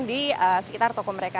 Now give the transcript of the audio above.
di sekitar toko mrt